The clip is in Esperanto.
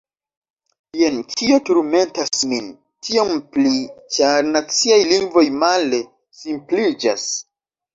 Jen kio turmentas min, tiom pli, ĉar naciaj lingvoj male – simpliĝas.